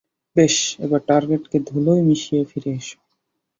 বেশ, এবার টার্গেটকে ধুলোয় মিশিয়ে ফিরে এসো।